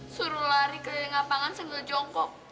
suruh lari kayak ngapangan segel jongkok